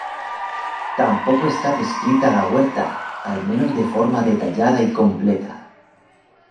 Tampoco está descrita la huerta, al menos de forma detallada y completa.